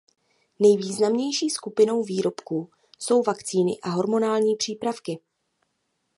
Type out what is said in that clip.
Nejvýznamnější skupinou výrobků jsou vakcíny a hormonální přípravky.